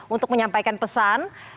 untuk menyampaikan pesan